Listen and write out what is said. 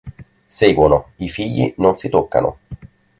Seguono "I figli non si toccano!